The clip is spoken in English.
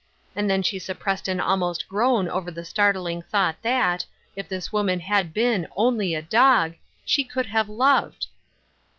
And then she suppressed an almost groan over the startling thought that, if this woman had been only a dog, she could have loved